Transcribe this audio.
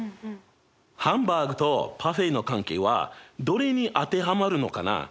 ハンバーグとパフェの関係はどれに当てはまるのかな？